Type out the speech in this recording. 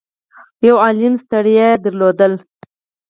يو عالُم ستړيا يې درلوده.